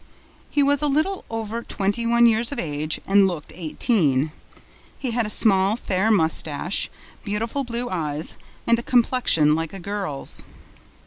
He was a little over twenty one years of age and looked eighteen. He had a small, fair mustache, beautiful blue eyes and a complexion like a girl's.